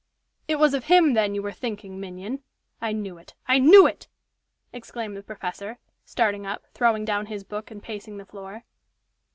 "It was of him, then, you were thinking, minion? I knew it! I knew it!" exclaimed the professor, starting up, throwing down his book, and pacing the floor.